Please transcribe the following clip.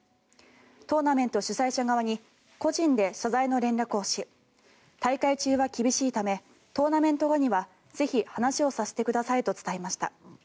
トーナメント主催者側に個人で謝罪の連絡をし大会中は厳しいためトーナメント終了後にはぜひ、話をさせてくださいと伝えました。